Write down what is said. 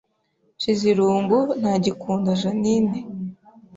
Nshizirungu ntagikunda Jeaninne